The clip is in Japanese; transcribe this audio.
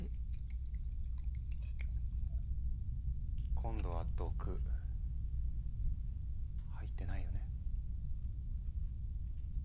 今度は毒入ってないよね？